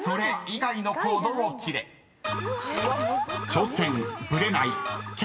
［挑戦ブレない謙虚］